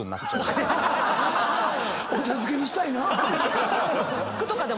お茶漬けにしたいなぁ。